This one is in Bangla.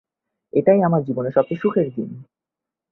এইটাই আমার জীবনের সবচেয়ে সুখের দিন।